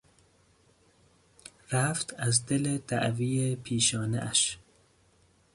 رفت از دل دعوی پیشانهاش